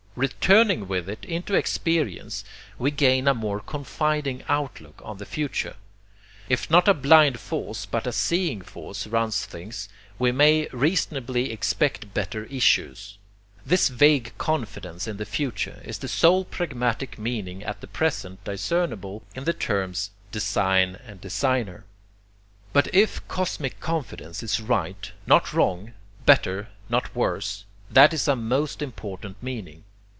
Returning with it into experience, we gain a more confiding outlook on the future. If not a blind force but a seeing force runs things, we may reasonably expect better issues. This vague confidence in the future is the sole pragmatic meaning at present discernible in the terms design and designer. But if cosmic confidence is right not wrong, better not worse, that is a most important meaning.